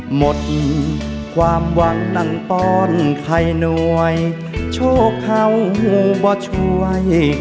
หมดความหวังนั่งตอนไข่หน่วยโชคเข้าหุ่งบ่ช่วย